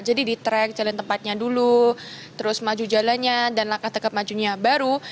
jadi di track jalan tempatnya dulu terus maju jalannya dan langkah tegap majunya baru